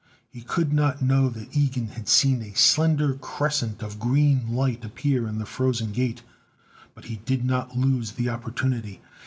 He could not know that Ilgen had seen a slender crescent of green light appear in the Frozen Gate, but he did not lose the opportunity.